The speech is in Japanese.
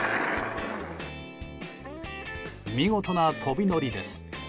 見事な飛び乗りです。